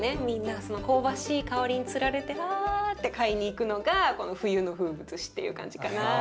みんなそのこうばしい香りに釣られてわって買いに行くのが冬の風物詩っていう感じかな。